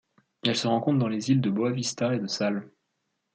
Elle se rencontre dans les îles de Boa Vista et de Sal.